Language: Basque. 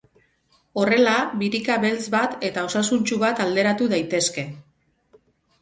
Horrela, birika beltz bat eta osasuntsu bat alderatu daitezke.